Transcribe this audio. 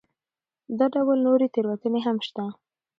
دا ډول نورې تېروتنې هم شته.